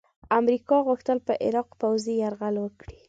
امریکا غوښتل په عراق پوځي یرغل وکړي.